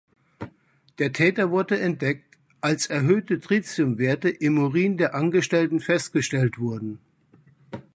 Der Täter wurde entdeckt, als erhöhte Tritium-Werte im Urin der Angestellten festgestellt wurden.